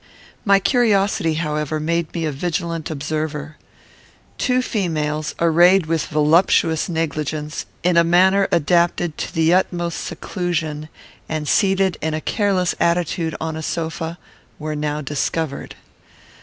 My curiosity, however, made me a vigilant observer. Two females, arrayed with voluptuous negligence, in a manner adapted to the utmost seclusion, and seated in a careless attitude on a sofa, were now discovered.